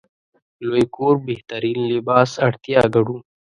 لوی کور بهترین لباس اړتیا ګڼو.